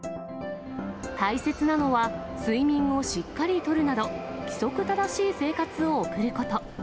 大切なのは睡眠をしっかりとるなど、規則正しい生活を送ること。